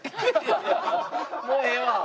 もうええわ！